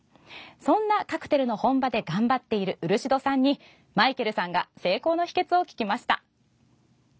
そんなカクテルの本場で頑張っている漆戸さんにマイケルさんが成功の秘けつを聞きました。